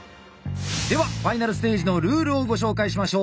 ではＦｉｎａｌステージのルールをご紹介しましょう。